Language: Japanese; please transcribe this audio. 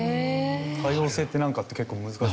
多様性ってなんか結構難しい。